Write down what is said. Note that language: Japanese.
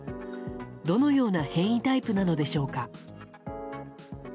どのような変異タイプなのでしょうか。